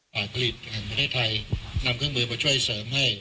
ฝ่ายผลิตแห่งประเทศไทยนำเครื่องมือมาช่วยเสริมให้